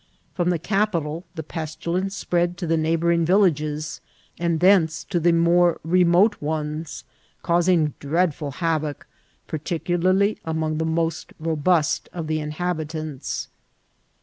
..." Prom the capital the pes tilence spread to the neighbouring villages, and thence to the more remote ones, causing dreadful havoc, par ticularly among the most robust of the inhabitants."